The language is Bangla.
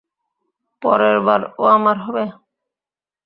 পরেরবার, ও আমার হবে!